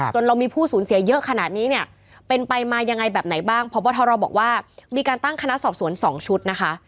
เรามีผู้สูญเสียเยอะขนาดนี้เนี่ยเป็นไปมายังไงแบบไหนบ้างพบทรบอกว่ามีการตั้งคณะสอบสวน๒ชุดนะคะ